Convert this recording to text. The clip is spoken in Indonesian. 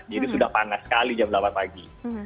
jadi sudah panas sekali jam delapan pagi